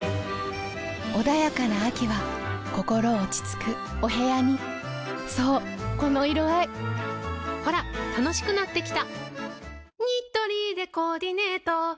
ニトリ穏やかな秋は心落ち着くお部屋にそうこの色合いほら楽しくなってきた！